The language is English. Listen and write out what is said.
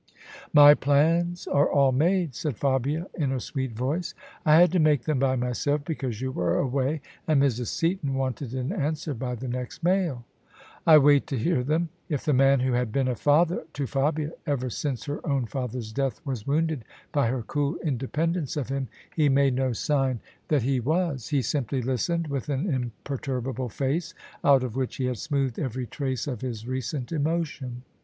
" My plans are all made," said Fabia in her sweet voice: " I had to make them by myself because you were away, and Mrs. Seaton wanted an answer by the next mail." " I wait to hear them." If the man who had been a father to Fabia ever since her own father's death was wounded by her cool independence of him, he made no sign that he OF ISABEL CARNABY was: he simply listened with an imperturbable face out of which he had smoothed every trace of his recent emotion.